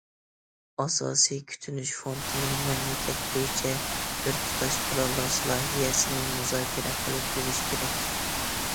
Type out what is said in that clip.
ئاساسىي كۈتۈنۈش فوندىنى مەملىكەت بويىچە بىر تۇتاش پىلانلاش لايىھەسىنى مۇزاكىرە قىلىپ تۈزۈش كېرەك.